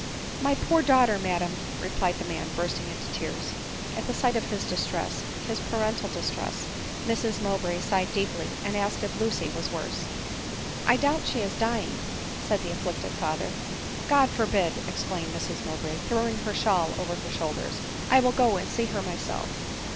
" My poor daughter, madam !" replied the man, burst ing into tears. 27 310 ADELINE MOWBRAY. At the sight of his distress, his parental distress, Mrs Mowbray sighed deeply, and asked if Lucy was worse. " I doubt she is dying," said the afflicted father. " God forbid !" exclaimed Mrs Mowbray, throwing her shawl over her shoulders ; "I will go and see her myself."